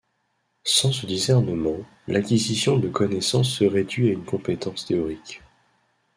Sans ce discernement, l’acquisition de connaissances se réduit à une compétence théorique.